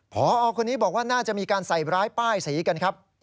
พอคนนี้บอกว่าน่าจะมีการใส่ร้ายป้ายสีกันครับ